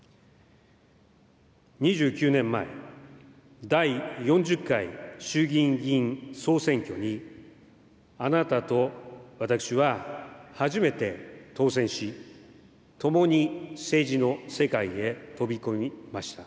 ２９年前、第４０回衆議院議員総選挙にあなたと私は初めて当選し、共に政治の世界へ飛び込みました。